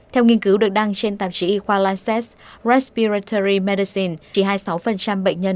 theo nghiên cứu được đăng trên tạp chí khoa lancet respiratory medicine chỉ hai mươi sáu bệnh nhân